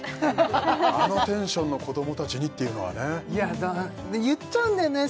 あのテンションの子どもたちにっていうのはね言っちゃうんだよね